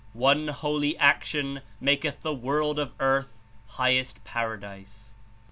One holy action maketh the world of earth highest paradise." (T.